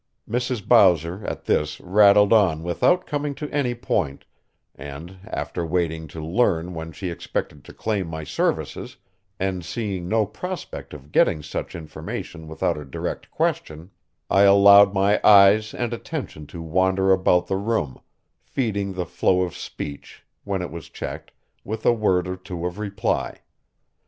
Mrs. Bowser at this rattled on without coming to any point, and, after waiting to learn when she expected to claim my services, and seeing no prospect of getting such information without a direct question, I allowed my eyes and attention to wander about the room, feeding the flow of speech, when it was checked, with a word or two of reply.